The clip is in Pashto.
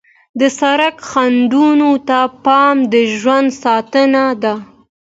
د سړک خنډونو ته پام د ژوند ساتنه ده.